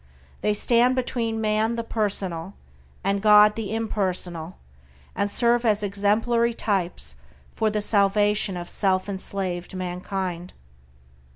They stand between man the personal and God the impersonal, and serve as exemplary types for the salvation of self enslaved mankind.